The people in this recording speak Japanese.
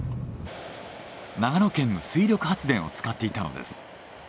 長野県の水力発電を使っていたのです。